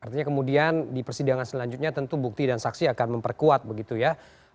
artinya kemudian di persidangan selanjutnya tentu bukti dan saksi akan memperkuat begitu ya